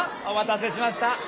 お待たせしました。